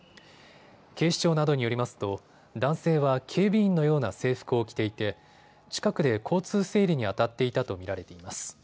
警視庁などによりますと男性は警備員のような制服を着ていて近くで交通整理にあたっていたと見られています。